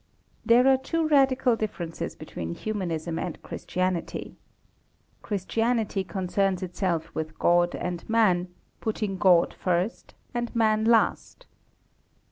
There are two radical differences between Humanism and Christianity. Christianity concerns itself with God and Man, putting God first and Man last.